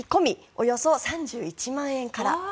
およそ３１万円から。